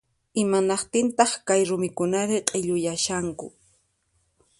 Imanaqtintaq kay rumikunari q'illuyashanku